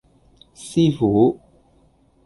師傅